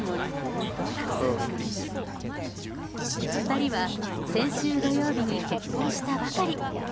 ２人は先週土曜日に結婚したばかり。